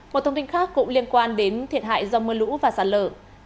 một thông tin khác cũng liên quan đến thiệt hại do mưa lũ và sạt lở